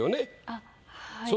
あっはい。